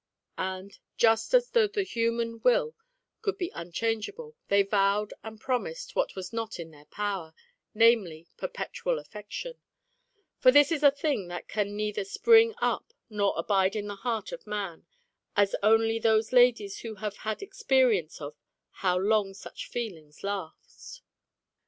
And, just as though the human will could be unchangeable, they vowed and promised what was not in their power, namely, perpetual affec SECOND DAY: TALE XH. 191 tion. For this is a thing that can neither spring up nor abide in the heart of man, as only those ladies know who have had experience of how long such feelings last.